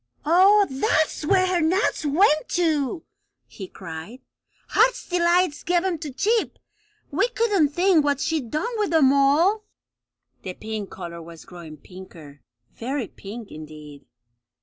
"Oh, that's where her nuts went to!" he cried. "Heart's Delight gave 'em to Chip! We couldn't think what she'd done with 'em all." The pink colour was growing pinker very pink indeed.